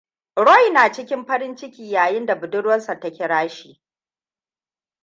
Roy na cikin farin ciki yayinda buduwarsa ta kira shi.